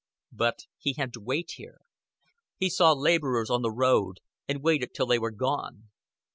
But he had to wait here. He saw laborers on the road, and waited till they were gone.